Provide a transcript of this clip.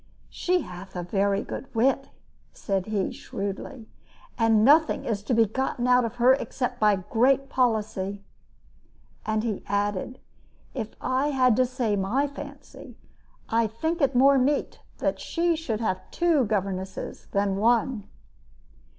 "She hath a very good wit," said he, shrewdly; "and nothing is to be gotten of her except by great policy." And he added: "If I had to say my fancy, I think it more meet that she should have two governesses than one."